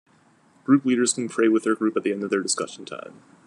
Group Leaders can pray with their group at the end of their discussion time.